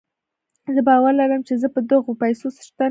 زه باور لرم چې زه به د دغو پيسو څښتن کېږم.